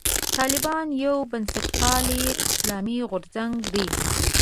طالبان یو بنسټپالی اسلامي غورځنګ دی.